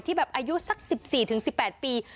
ที่แบบอายุสักสิบสี่ถึงสิบแปดปี